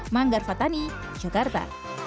manggar fathani yogyakarta